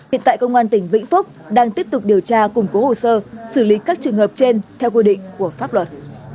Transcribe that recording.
hiện tại công an tỉnh vĩnh phúc đang tiếp tục điều tra củng cố hồ sơ xử lý các trường hợp trên theo quy định của pháp luật